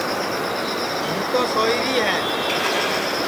ہوں تو سوئی ری ہے